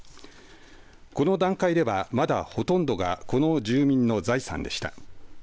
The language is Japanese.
この段階では、まだほとんどがこの住民の財産でした。